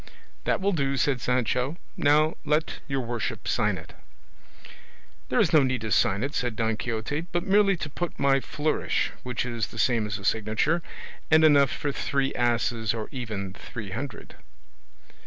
"That will do," said Sancho; "now let your worship sign it." "There is no need to sign it," said Don Quixote, "but merely to put my flourish, which is the same as a signature, and enough for three asses, or even three hundred."